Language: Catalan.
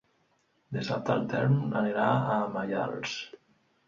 Dissabte en Telm anirà a Maials.